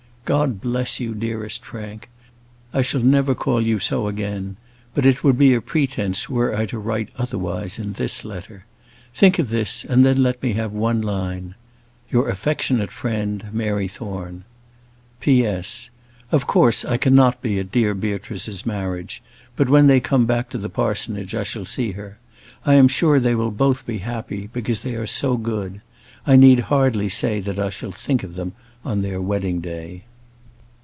God bless you, dearest Frank! I shall never call you so again; but it would be a pretence were I to write otherwise in this letter. Think of this, and then let me have one line. Your affectionate friend, MARY THORNE. P.S. Of course I cannot be at dear Beatrice's marriage; but when they come back to the parsonage, I shall see her. I am sure they will both be happy, because they are so good. I need hardly say that I shall think of them on their wedding day.